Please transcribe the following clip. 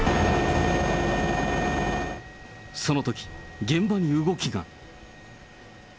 そのとき、現場に動きが。